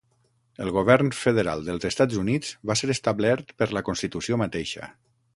El govern federal dels Estats Units va ser establert per la constitució mateixa.